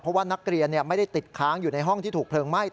เพราะว่านักเรียนไม่ได้ติดค้างอยู่ในห้องที่ถูกเพลิงไหม้